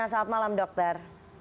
selamat malam dokter